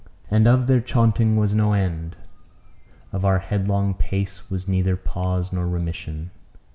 And of their chaunting was no end; of our headlong pace was neither pause nor remission.